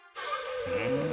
うん。